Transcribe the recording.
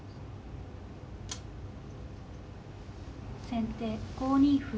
先手５二歩。